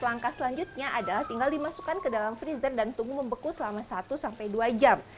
langkah selanjutnya adalah tinggal dimasukkan ke dalam freezer dan tunggu membeku selama satu sampai dua jam